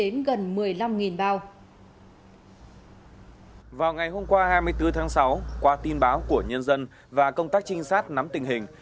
vào ngày hôm qua hai mươi bốn tháng sáu qua tin báo của nhân dân và công tác trinh sát nắm tình hình